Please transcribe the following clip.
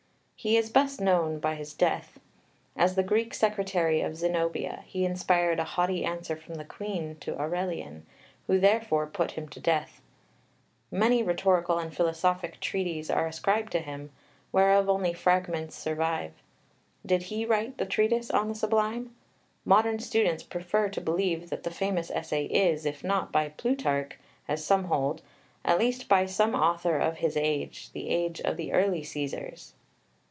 He is best known by his death. As the Greek secretary of Zenobia he inspired a haughty answer from the queen to Aurelian, who therefore put him to death. Many rhetorical and philosophic treatises are ascribed to him, whereof only fragments survive. Did he write the Treatise on the Sublime? Modern students prefer to believe that the famous essay is, if not by Plutarch, as some hold, at least by some author of his age, the age of the early Caesars.